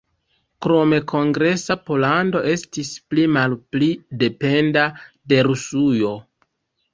Krome Kongresa Pollando estis pli-malpli dependa de Rusujo.